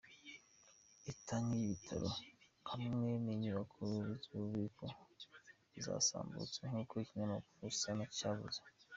Itanki y'ibitoro hamwe n'inyubakwa z'ububiko zasambutse, nkuko ikinyamakuru Sana cavuze.